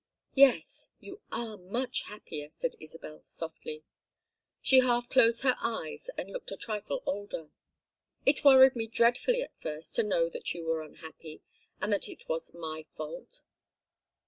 "Yes, you are much happier," said Isabel, softly. She half closed her eyes and looked a trifle older. "It worried me dreadfully at first to know that you were unhappy, and that it was my fault."